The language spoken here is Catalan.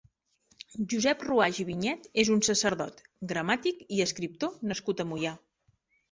Josep Ruaix i Vinyet és un sacerdot, gramàtic i escriptor nascut a Moià.